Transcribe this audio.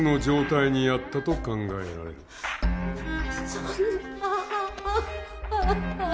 そんな。